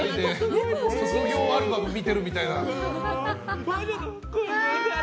卒業アルバムを見てるみたいな。